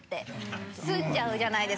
済んじゃうじゃないですか。